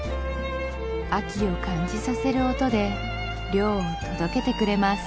秋を感じさせる音で涼を届けてくれます